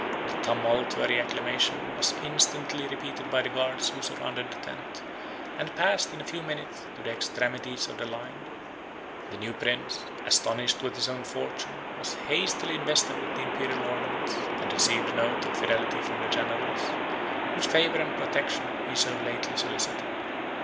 The tumultuary acclamation 10111 was instantly repeated by the guards who surrounded the tent, and passed, in a few minutes, to the extremities of the line. The new prince, astonished with his own fortune was hastily invested with the Imperial ornaments, and received an oath of fidelity from the generals, whose favor and protection he so lately solicited.